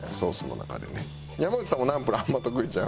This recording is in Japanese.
山内さんもナンプラーあんま得意ちゃうよね。